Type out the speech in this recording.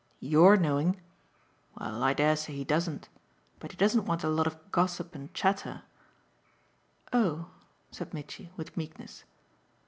"YOUR knowing? Well, I dare say he doesn't. But he doesn't want a lot of gossip and chatter." "Oh!" said Mitchy with meekness.